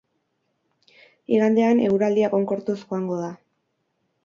Igandean eguraldia egonkortuz joango da.